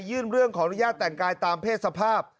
เรื่องขออนุญาตแต่งกายตามเพศสภาพ